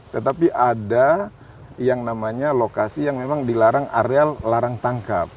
tetapi ada yang namanya lokasi yang memang dilarang areal larang tangkap